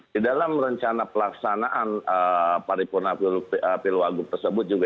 di dalam rencana pelaksanaan paripurna pilwagup tersebut juga